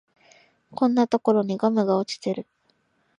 こんなところにガムが落ちてる